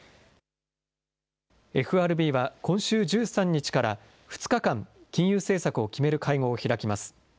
ＦＲＢは、今週１３日から２日間、金融政策を決める会合を開きます。